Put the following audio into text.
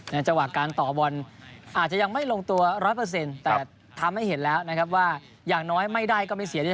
ในจังหวะการต่อบนอาจจะยังไม่ลงตัวร้อยเปอร์เซ็นต์แต่ทำให้เห็นแล้วนะครับว่าอย่างน้อยไม่ได้ก็ไม่เสียดี